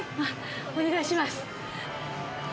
お願いします。